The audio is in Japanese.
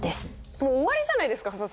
もう終わりじゃないですか刺されたら。